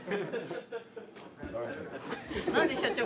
何で社長